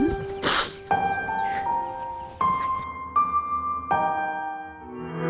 วิกฤต